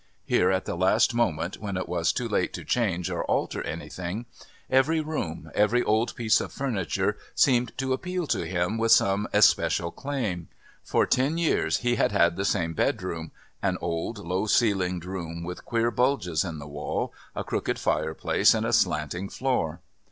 Here at the last moment, when it was too late to change or alter anything, every room, every old piece of furniture seemed to appeal to him with some especial claim. For ten years he had had the same bedroom, an old low ceilinged room with queer bulges in the wall, a crooked fireplace and a slanting floor.